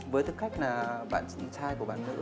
với tư cách là bạn trai của bạn nữ